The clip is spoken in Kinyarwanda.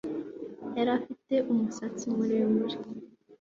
Yari afite umusatsi muremure